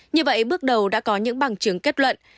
như vậy bước đầu đã có những bằng chứng kết luận